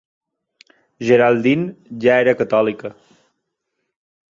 Geraldine ja era catòlica.